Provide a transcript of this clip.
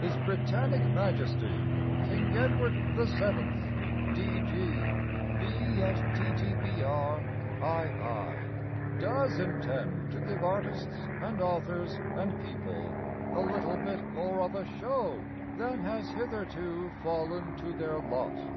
His Britannic Majesty King Edward VII., D.G.: B. et T.T.B.R.: I.I., Does intend to give artists and authors and people A little bit more of a show Than has hitherto fallen to their lot.